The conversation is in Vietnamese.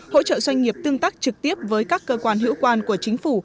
hỗ trợ doanh nghiệp tương tác trực tiếp với các cơ quan hữu quan của chính phủ